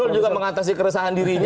pak fadjur juga mengatasi keresahan dirinya